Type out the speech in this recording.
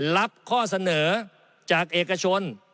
รับข้อเสนอจากเอกชน